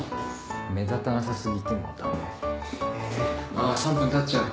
あ３分立っちゃう。